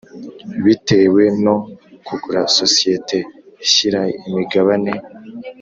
bitewe no kugura sosiyete ishyira imigabane